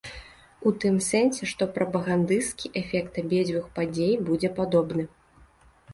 У тым сэнсе, што прапагандысцкі эфект абедзвюх падзей будзе падобны.